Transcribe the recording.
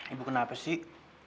ibu kenapa sih